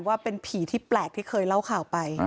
ว่าเป็นผีที่แปลกที่เคยเล่าข่าวไป